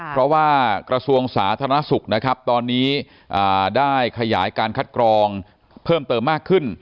เพราะว่ากระทรวงสาธารณสุขนะครับตอนนี้ได้ขยายการคัดกรองเพิ่มเติมมากขึ้น